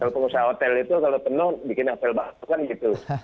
pengusaha hotel itu kalau penuh bikin hotel bakso kan gitu